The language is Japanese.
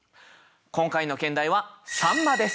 今回の兼題は「秋刀魚」です。